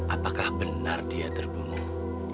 apakah benar dia terbunuh